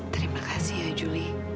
terima kasih ya juli